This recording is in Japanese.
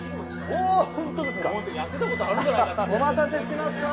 お待たせしました。